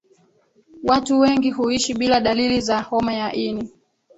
watu wengi huishi bila dalili za homa ya ini